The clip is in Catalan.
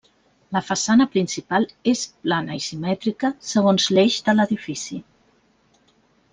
La façana principal és plana i simètrica segons l'eix de l'edifici.